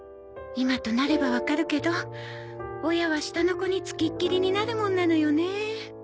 今となればわかるけど親は下の子に付きっきりなるもんなのよね